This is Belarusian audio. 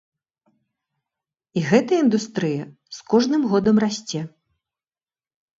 І гэтая індустрыя з кожным годам расце.